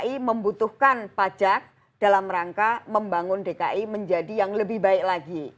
dki membutuhkan pajak dalam rangka membangun dki menjadi yang lebih baik lagi